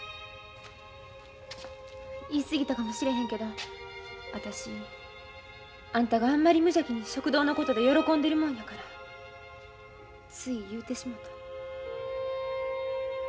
言い過ぎたかもしれへんけど私あんたがあんまり無邪気に食堂のことで喜んでるもんやからつい言うてしもた。